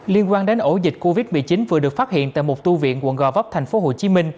liên quan đến ổ dịch covid một mươi chín vừa được phát hiện tại một tu viện quận gò vấp tp hcm